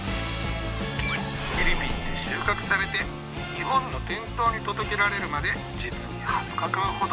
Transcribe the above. フィリピンで収穫されて日本の店頭に届けられるまで実に２０日間ほど。